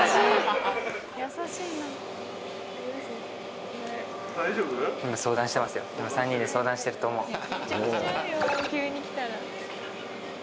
・３人で相談してると思う。